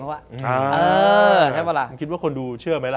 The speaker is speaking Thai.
เขาตณะตาล่อคิดว่าคนดูเชื่อไหมละ